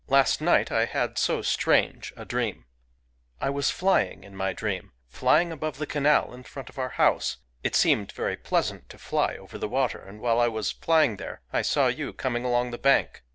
Last night I had so strange a dream ! I was flying in my dream, — flying above the canal in front of our house. It seemed very pleasant to fly over the water; and while I was flying there I saw you coming along the bank.